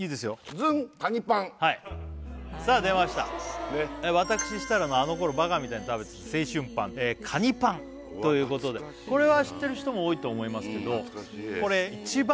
ズンかにぱんはいさあ出ました私設楽があの頃バカみたいに食べてた青春パンかにぱんということでこれは知ってる人も多いと思いますけどうん